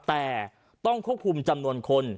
แต่ต้องควบคุมจำนวนคน